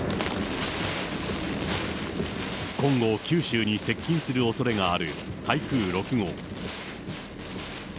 今後、九州に接近するおそれがある台風６号。